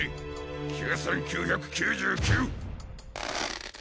９９９９！